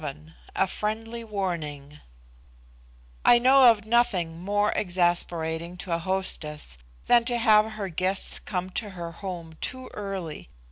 VII A FRIENDLY WARNING I know of nothing more exasperating to a hostess than to have her guests come to her home too early.